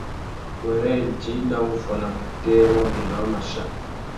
Wêrê djï nà wuffuana mutēh wabunda wa mà chia.